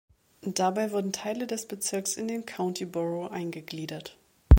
Dabei wurden Teile des Bezirks in den County Borough eingegliedert.